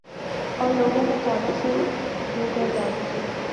اور لوگوں میں قانون سے روگردانی کے